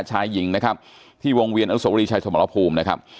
ชายหญิงนะครับที่วงเวียนอนุสวรีชายสมรภูมินะครับ